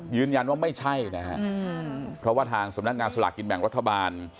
ไม่ใช่นะฮะเพราะว่าทางสำนักงานสลากกินแบ่งรัฐบาล